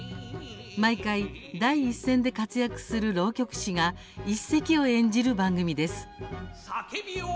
毎回、第一線で活躍する浪曲師が一席を演じる番組です。